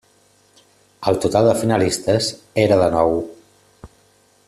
El total de finalistes era de nou.